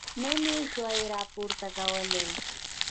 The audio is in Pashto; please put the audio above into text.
نه مې شوای راپورته کولی.